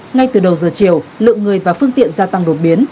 ngay từ đầu giờ chiều lượng người và phương tiện gia tăng đột biến